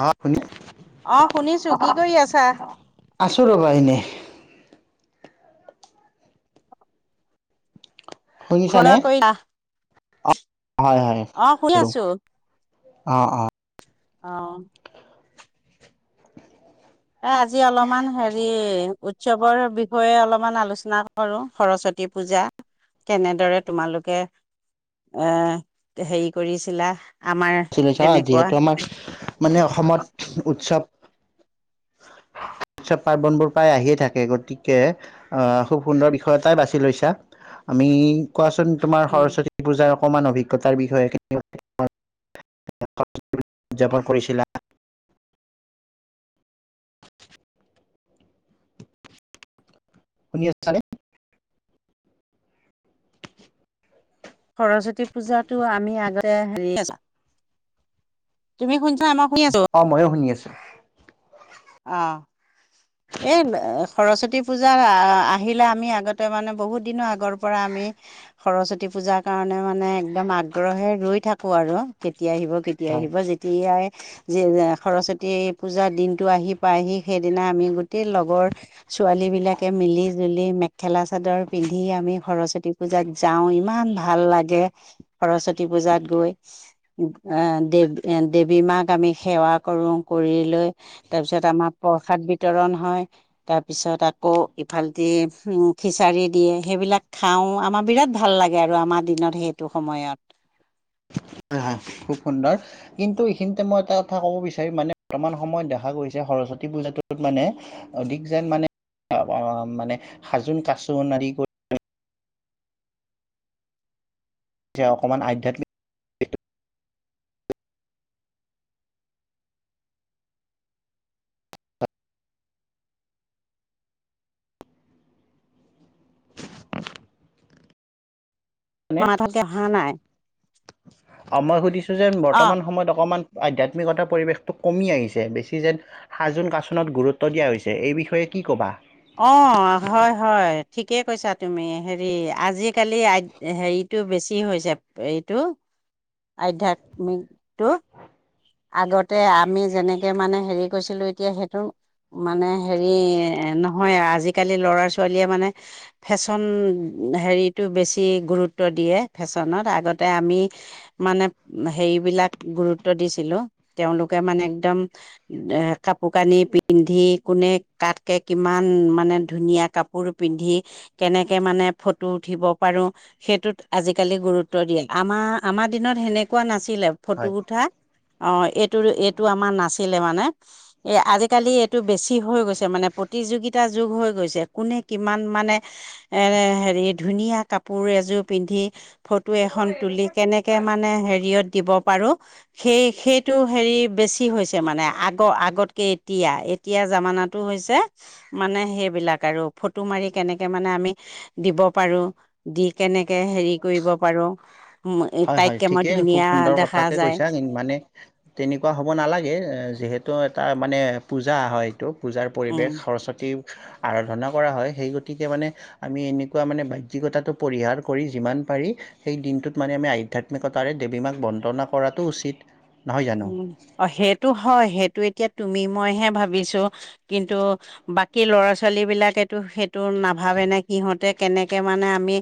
অ শুনি অ শুনিছো। কি কৰি আছা? আছোঁ ৰ'বা এনেই। শুনিছা খোৱা নে? লোৱা কৰিলা অ হয়, হয় অ শুনি খালোঁ, আছো অ অ। অ। এ আজি অলপমান হেৰি উৎসৱৰ বিষয়ে অলপমান আলোচনা কৰো। সৰস্বতী পূজা, কেনেদৰে তোমালোকে এ হেৰি কৰিছিলা। আমাৰ ছিলে হা [unintelligible] তেনেকুৱা যিহেতু আমাক, মানে অসমত উৎসৱ উৎসৱ পাৰ্বনবোৰ প্ৰায় আহিয়ে থাকে গতিকে, আহ খুব সুন্দৰ বিষয় এটাই বাছি লৈছা। আমি কোৱা তোমাৰ সৰস্বতী পূজাৰ সমান অভিজ্ঞতাৰ বিষয়ে উদযাপন কৰিছিলা শুনি আছানে সৰস্বতী পূজাতটো আমি আগতে হেৰি তুমি কোন অ ময়ো শুনি আছো অ এ সৰস্বতী পূজা আহ আহিলে আমি আগতে মানে বহুত দিনৰো আগৰ পৰা আমি সৰস্বতী পূজাৰ কাৰণে মানে একদম আগ্ৰহে ৰৈ থাকো আৰু কেতিয়া আহিব কেতিয়া হয় আহিব যেতিয়াই যে সৰস্বতী এই পূজাৰ দিন টো আহি পাই আহি সেইদিনা আমি গোটেই লগৰ ছোৱালী বিলাকে মিলি জুলি মেখেলা চাদৰ পিন্ধি আমি সৰস্বতী পূজাত যাওঁ ইমান ভাল লাগে সৰস্বতী পূজাত গৈ আহ দেৱ দেৱী মাক আমি সেৱা কৰো কৰি লৈ তাৰ পিছত আমাৰ প্ৰসাদ বিতৰণ হয় তাৰপিছত আকৌ ইফালটি খিচাৰি দিয়ে সেইবিলাক খাওঁ আমাৰ বিৰাট ভাল লাগে আৰু আমাৰ দিনত সেইটো সময়ত খুব সুন্দৰ কিন্তু এইখিনিতে মই এটা কথা কব বিচাৰিম মানে বৰ্তমান সময়ত দেখা গৈছে সৰস্বতী পূজাটোত মানে অধিক যেন মানে মানে হাজোন কাচোন আদি কৰি অকণমান আধ্যাত্মিক মাৰথতক অহা নাই অ মই সুধিছো যে অ বৰ্তমান সময়ত অকমান আধ্যাত্মিকতাৰ পৰিৱেশটো কমি আহিছে বেছি যেন সাজোন কাচোনত গুৰুত্ব দিয়া হৈছে এই বিষয়ে কি ক'বা অ হয় হয় ঠিকেই কৈছা তুমি হেৰি আজিকালি আ হেৰিটো বেছি হৈছে এইটো আধ্যাত্মিক টো আগতে আমি যেনেকে মানে হেৰি কৰিছিলো এতিয়া সেইটো মানে হেৰি নহয় আজিকালি ল'ৰা ছোৱালীয়ে মানে ফেশ্বন হেৰিতটো বেছি গুৰুত্ব দিয়ে ফেশ্বনত আগতে আমি মানে হেৰি বিলাক গুৰুত্ব দিছিলো ছিলো তেওঁলোকে মানে একদম এ কাপোৰ কানি পিন্ধি কোনে কাতকে কিমান মানে ধুনীয়া কাপোৰ পিন্ধি কেনেকে মানে ফটো উঠিব পাৰো সেইটোত আজিকালি গুৰুত্ব দিয়ে আমাৰ আমাৰ দিনত সেনেকুৱা নাছিল ছিলে ফটো হয় উঠা অ এইটো এইটো আমাৰ নাছিলে মানে এ আজিকালি এইটো বেছি হৈ গৈছে মানে প্ৰতিযোগিতা যুগ হৈ গৈছে কোনে কিমান মানে এৰ হেৰি ধুনীয়া কাপোৰ এযোৰ পিন্ধি ফটো এখন তুলি কেনেকে মানে হেৰিয়ত দিব পাৰো সেই সেইটো হেৰি বেছি হৈছে মানে আগ আগতকে এতিয়া এতিয়া জামানা টো হৈছে মানে সেইবিলাক আৰু ফটো মাৰি কেনেকে মানে আমি দিব পাৰো দি কেনেকে হেৰি কৰিব পাৰো হয় হয় তাইতকে মই ঠিকেই খুব ধুনীয়া সুন্দৰ দেখা কথাকে যায় কৈছা কিন- মানে তেনেকুৱা হ'ব নালাগে যিহেতু এটা মানে পূজা হয় ত পূজাৰ উম পৰিৱেশ সৰস্বতী আৰাধনা কৰা হয় সেই গতিকে মানে আমি এনেকুৱা মানে বাহ্যিকতাটো পৰিহাৰ কৰি যিমান পাৰি সেই দিনটোত মানে আমি আধ্যাত্মিকতাৰে দেৱী মাক বন্দনা কৰাটো উচিত নহয় জানো উ অ সেইটো হয় সেইটো এতিয়া তুমি মইহে ভাবিছোঁ কিন্তু বাকী ল'ৰা ছোৱালীবিলাকেতো সেই টো নাভাবে নে কি সিহঁতে কেনেকে মানে আমি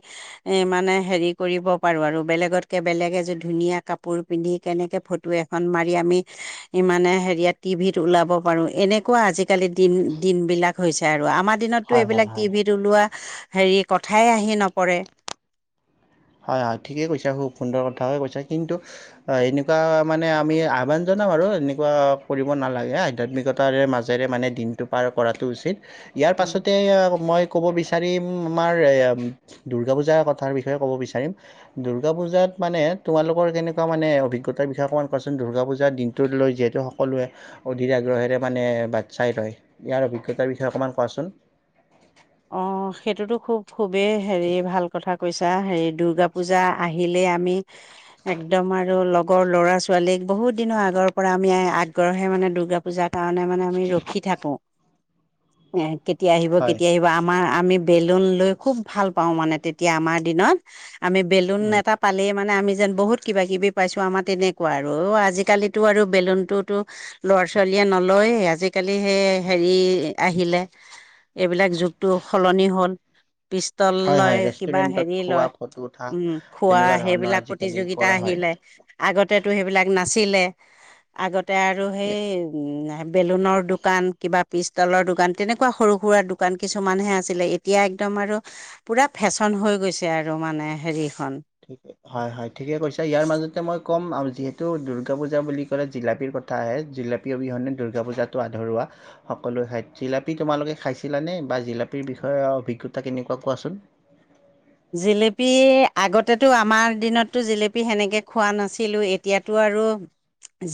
মানে হেৰি কৰিব পাৰোঁ আৰু বেলেগতকে বেলেগে এযোৰ ধুনীয়া কাপোৰ পিন্ধি কেনেকে ফটো এখ ন মাৰি আমি ই মানে হেৰিয়া টিভিত ওলাব পাৰো এনেকুৱা আজি কালি দিন দিন বিলাক হৈছে আৰু আমাৰ দিনতো হয় হয় এইবিলাক হয় টিভিত ওলোৱা হেৰি কথাই আহি নপৰে হয় হয় ঠিকেই কৈছে খুব সুন্দৰ কথাকে কৈছে কিন্তু এনেকুৱা মানে আমি আহ্বান জনাম আৰু এনেকুৱা কৰিব নালাগে আধ্যাত্মিকতাৰে মাজেৰে মানে দিনটো পাৰ কৰাটো উচিত ইয়াৰ উম পাছতে মই ক'ব বিচাৰো ৰিম আমাৰ দুৰ্গা পূজাৰ কথাৰ বিষয়ে ক'ব বিচাৰি। ৰিম দুৰ্গা পূজাত মানে তোমালোকৰ কেনেকুৱা মানে অভিজ্ঞতাৰ বিষয়ে অকণমান কোৱাচোন দুৰ্গা পূজাৰ দিনটোলৈ যিহেতু সকলোৱে অধীৰ আগ্ৰহেৰে মানে বাট চাই লয় ইয়াৰ অভিজ্ঞতাৰ বিষয়ে অকণমান কোৱাচোন। অ' সেইটোতো খুব। খুবেই হেৰি ঠিকে আছে ভাল কথা কৈছা হেৰি দুৰ্গা পূজা আহি আহিলে আমি একদম আৰু লগৰ ল'ৰা ছোৱালীক বহুত দিনৰ আগৰ পৰা আমি আগ্ৰহে মানে দূৰ্গা পূজা। কাৰণে মানে আমি ৰখি থাকোঁ‌। এসে কেতিয়া আহিব হয় কেতিয়া? আমাৰ আমি বেলুন লৈ খুব ভাল পাওঁ মানে তেতিয়া আমাৰ দিনত। আমি বেলুন উম। এটা পালে। মানে আমি যেন বহুত কিবা কিবি পাইছো আমাৰ তেনেকুৱা আৰু অ আজিকালিতো আৰু বেলুনতটোতো ল'ৰা ছোৱালীয়ে নলয়ে আজিকালি সেই হেৰি আহিলে। এইবিলাক যুগতো সলনি হল পিষ্টল হয় লয় হয় কিবা ৰেষ্টুৰেণ্টত হেৰি খোৱা লয় ফটো উঠা উম খোৱা তেনেকুৱা ধৰণৰ সেইবিলাক আজিকালি প্ৰতিযোগিতা কৰা হয় আহিলে আগতেতো সেইবিলাক নাচ। আছিলে আগত। তা আৰু সেই ইয়ে বেলুনৰ দোকান কিবা পিষ্টলৰ দোকান তেনেকুৱা সৰু খুৰাৰ দোকান কিছুমানহে আছিলে এতিয়া একদম আৰু পূৰা ফেশ্বন হৈ গৈছে আৰু মানে হেৰি। ঠিকে হয় হয় ঠিকে কৈছা ইয়াৰ মাজতে মই। ক'ম আৰু যিহেতু দুৰ্গা পূজা বুলি ক'লে জিলাপিৰ কথা আহে জিলাপী অবিহনে দুৰ্গা পূজাটো আধৰুৱা সকলোৱ ঠাইত জিলাপী তোমালোকে খাইছিলানে বা জিলাপীৰ বিষয়ে অভিজ্ঞতা কেনেকুৱা কোৱাচোন। জেলেপি আগতেতো আমাৰ দিনততো জেলেপি সেনেকে খোৱা নাছিলোঁ। এতিয়াতো আৰু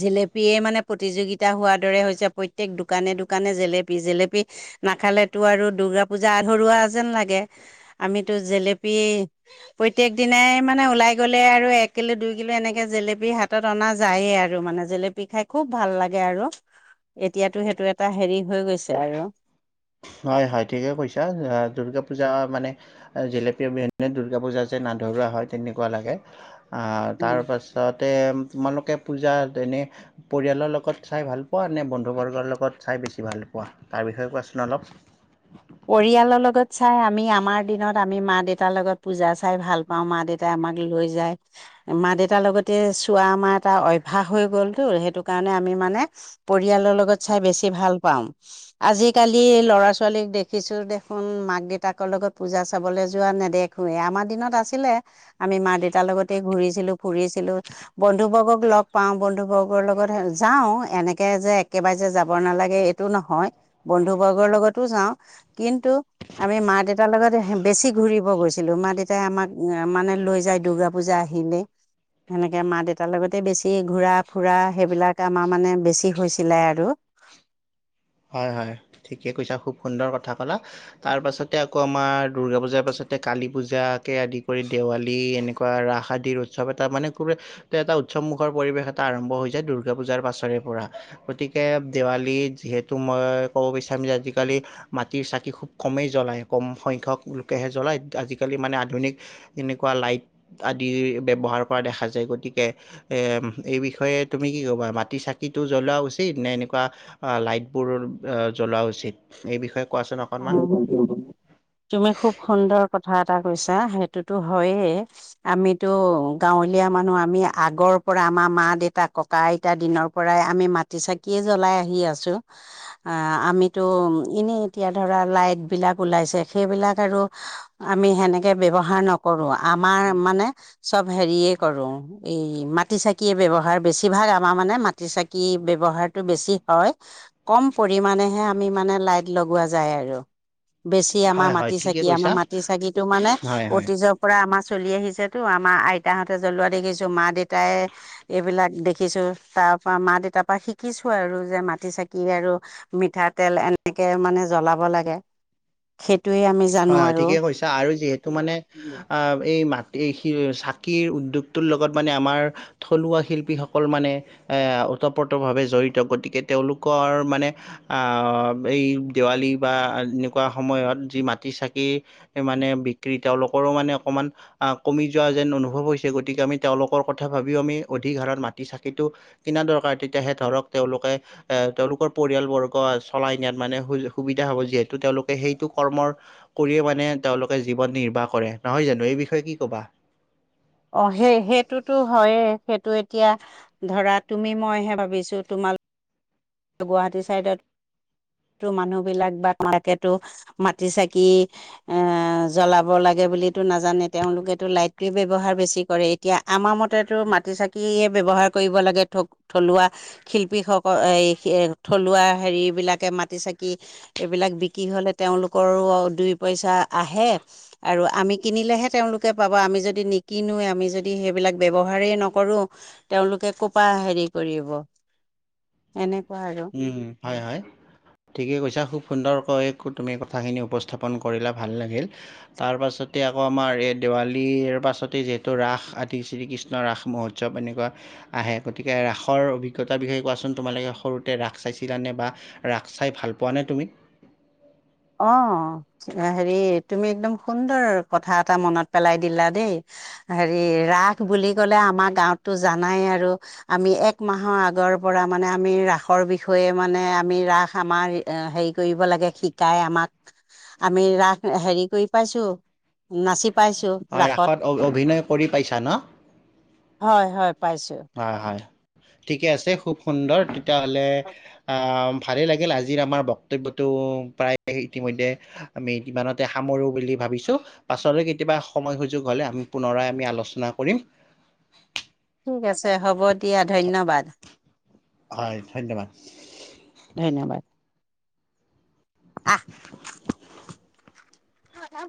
জেলেপিয়ে মানে প্ৰতিযোগিতা হোৱাৰ দৰে হৈছে প্ৰত্যেক দোকানে দোকানে জেলেপি জেলেপি নাখালেতো আৰু দুূৰ্গা পূজা আধৰুৱা যেন লাগে। আমিতো জেলেপ পি প্ৰত্যেক দিনাই মানে ওলাই গলে আৰু এক কিলো দুই কিলো এনেকে জেলেপি হাতত অনা যায়েই আৰু মানে জেলেপি খাই খুব ভাল লাগে আৰু এতিয়াতো সেইটো এটা হেৰি হৈ গৈছে আৰু হয় হয় ঠিকেই কৈছা দুৰ্গা পূজা মানে জেলেপী অবিহনে দুূৰ্গা পূজা যেন আধৰুৱা হয় তেনেকুৱা লাগে। অহ উম তাৰপাছতে তোমালোকে পূজা এনে পৰিয়ালৰ লগত চাই ভাল পোৱা নে বন্ধুবৰ্গৰ লগত চাই বেছি ভাল পোৱা তাৰ বিষয়ে কোৱাচোন। ন অলপ। পৰিয়ালৰ লগত। চাই আমি আমাৰ দিনত। আমি মা দেউতাৰ লগত পূজা চাই ভাল পাওঁ মা দেউতাই আমাক লৈ যায়। মা দেউতাৰ লগতে চোৱা আমাৰ এটা অভ্যাস হৈ গ'লতো সেইটো কাৰণে আমি মানে [unintelligible] পৰিয়ালৰ লগত চাই বেছি ভাল। পাওঁ। আজিকালি ল'ৰা ছোৱালীক দে খিছু দেখোন মাক দেউতাকৰ লগত পূজা চাবলৈ যোৱা নেদেখোঁৱেই। আমাৰ দিনত আছিলে। আমি মাক দেউতাৰ লগতেই ঘূৰিছিলোঁ। ফুৰিছিলোঁ‌। বন্ধুবৰ্গক লগ পাওঁ। বন্ধু বৰ্গৰ লগত হে যাও এনেকে যে একেবাৰে যে যাব নালাগে এইটো নহয়, বন্ধু বৰ্গৰ লগতো যাওঁ। কিন্তু আমি মা দেউতাৰ লগত হে বেছি ঘূৰিব গৈছিলো। মা দেউতাই আমাক মানে লৈ যায় দূৰ্গা পূজা আহিলে। সেনেকে মা দেউতাৰ লগতে বেছি ঘূৰা ফুৰা সেইবিলাক আমাৰ মানে বেছি হৈছিলে আৰু। হয় হয়। ঠিকে কৈছা খুব সুন্দৰ কথা ক'লা। তাৰ পাছতে আকৌ আমাৰ দুূৰ্গা পূজাৰ পাছতে কালি পূজাকে আদি কৰি দেৱালী এনেকুৱা ৰাস আদিৰ উৎচৱ এটা মানে [unintelligible] এটা উৎচৱমুখৰ পৰিৱেশ এটা আৰম্ভ হৈ যায় দুৰ্গা পূজাৰ পাছৰে পৰা। গতিকে দেৱালী যিহেত তো মই ক'ব বিচাৰিম যে আজিকালি মাটিৰ চাকি খুব কমেই জ্বলাই, কম সংখ্যক লোকেহে জ্বলায়। আজিকালি মানে আধুনিক এনেকুৱা লাইট আদিৰ ব্যৱহাৰ কৰা দেখা যায় গতিকে এ - এই বিষয়ে তুমি কি কবা মাটিৰ চাকিটো জ্বলোৱা উচিত নে এনেকুৱা লাইট বোৰৰ জ্বলোৱা উচিত এই বিষয়ে। কোৱাচোন অকনমান তুমি খুব সুন্দৰ কথা। এটা কৈছা। সেইটোতো হয়ে। আমিতো গাঁৱলীয়া মানুহ, আমি আগৰ পৰা আমাৰ মা দেউতা ককা আইতা দিনৰ পৰাই আমি মাটিৰ চাকিয়ে জ্বলাই আহি আছোঁ। অ -আমিতো এনেই এতিয়া ধৰা লাইটবিলাক ওলাইছে সেইবিলাক আৰু আমি সেনেকে ব্যৱহাৰ নকৰো। আমাৰ মানে চব হেৰিয়ে কৰো। এই মাটি চাকিয়ে ব্যৱহাৰ বেছিভাগ আমাৰ মানে মাটিৰ চাকি ব্যৱহাৰটো বেছি হয়। কম পৰিমাণেহে আমি মানে লাইট লগোৱা য। যায় আৰু। বেছি আমাৰ হয় হয় মাটিৰ ঠিকে চাকি আমাৰ কৈছা মাটিৰ চাকিটো মানে হয় হয় অতীজৰ পৰা আমাৰ। চলি আহিছেতো আমাৰ আইতাহঁতে জ্বলোৱা দেখিছো। মা দেউতাই এইবিলাক দেখিছো তাৰ পৰা মা দেউতাৰ পৰা শিকিছো আৰু যে মাটি চাকি আৰু মিঠাতেল এনেকে মানে। জলাব লাগে। আমি জানো হয় হয়। আৰু ঠিকেই কৈছা আৰু যিহেতু মানে অ এই মা। চাকিৰ উদ্যোগটোৰ লগত মানে আমাৰ থলুৱা শিল্পীসকল মানে ওতঃপ্ৰতভাৱে জড়িত গতিকে তেওঁলোকৰ মানে এই দেৱালী বা এনেকুৱা সময়ত যি। মা মাটি চাকি মানে বিক্ৰী তেওঁলোকৰো মানে অকমান কমি যোৱা যেন অনুভৱ হৈছে, গতিকে আমি তেওঁলোকৰ কথা ভাবিও আমি অধিক হাৰত মাটি চাকিটো কিনা দৰকাৰ তেতিয়াহে ধৰক তেওঁলোকে এ তেওঁলোকৰ পৰিয়ালবৰ্গ চলাই নিয়াত মানে সুজ -সুবিধা হ'ব যিহেতু তেওঁলোকে সেইটো কৰ্মৰ। কৰিয়ে মানে তেওঁলোকে জীৱন নিৰ্বাহ কৰে। নহয় জানো? এই বিষয়ে কি কবা? অ সেই- সেইটোতো হয়েই সেইটো এতিয়া ধৰা তুমি মইহে ভাবিছো তোমাল গুৱাহাটী চাইডত টো মানুহবিলাক বা মাকেতো মাটি চাকি এ জ্বলাব লাগে বুলিতো নাজানে, তেওঁলোকেতো লাইটটোৱে ব্যৱহাৰ বেছি কৰে। এতিয়া আমাৰ মতেতো মাটিৰ চাকিয়ে ব্যৱহাৰ কৰিব লাগে থক -থলুৱা শিল্পীসকল এই। থলুৱা হেৰিবিলাকে মাটিৰ চাকি এইবিলাক বিকি হ'লে তেওঁলোকৰো দুই পইচা আহে আৰু আমি কিনিলেহে তেওঁলোকে পাব আমি যদি নিকিনোৱে, আমি যদি সেইবিলাক ব্যৱহাৰেই নকৰোঁ তেওঁলোকে কোপা হেৰি কৰিব। এনে। উম। হয় হয়। ঠিকেই কৈছা। খুব সুন্দৰকৈ কু -তুমি কথাখিনি উপস্থাপন কৰিলা ভাল লাগিল। তাৰপাছতে আকৌ আমাৰ এই দেৱালীৰ পাছতেই যিহেতু ৰাস আদি শ্ৰীকৃষ্ণ ৰাস মহোৎসৱ এনেকুৱা আহে গতিকে ৰাসৰ অভিজ্ঞতাৰ বিষয়ে কোৱাচোন তোমালোকে সৰু তে ৰাস চাইছিলানে বা ৰাস চাই ভাল পোৱা নে তুমি? অ হেৰি তুমি একদম সুন্দৰ কথা এটা মনত পেলাই দিলা দেই। হেৰি ৰাস বুলি কলে আমাৰ গাঁৱতটো জানাই আৰু আমি এক মাহৰ আগৰ পৰা মানে আমি ৰাসৰ বিষয়ে মানে আমি ৰাস আমাৰ এ হেৰি কৰিব লাগে শিক। শিকাই আমাক। আমি ৰাস হেৰি কৰি পাইছো। নাচি। অ ৰাসত অভিনয় কৰি পাইছা ন? হয় হয় পাইছো হয় হয়। ঠিকে আছে খুব সুন্দৰ। হ'লে আওম। ভালেই লাগিল আজিৰ আমাৰ বক্তব্যটো প্ৰায় ইতিমধ্যে আমি মে- ইমানতে সামৰোঁ বুলি ভাবিছোঁ। পাছলৈ কেতিয়াবা সময় সুযোগ হ'লে আমি পুনৰাই আমি আলোচনা কৰিম। ঠিক আছে হ'ব দিয়া ধ- ধন্যবাদ। হয় ধন্যবাদ। ধন্যবাদ। আহ। হেল্লো।